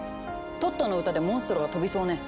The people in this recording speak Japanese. トットの歌でモンストロが飛びそうね。